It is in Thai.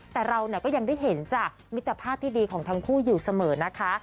แต่เราก็ยังได้เห็นจากมิตรภาพที่ดีของทั้งคู่อยู่เสมอนะคะ